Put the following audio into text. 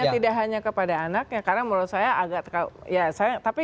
tidak hanya kepada anaknya karena menurut saya agak ya tapi